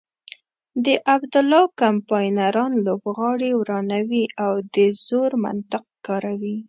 د عبدالله کمپاینران لوبغالی ورانوي او د زور منطق کاروي.